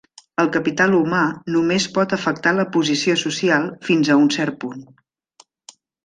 El capital humà només pot afectar la posició social fins a un cert punt.